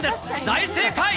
大正解。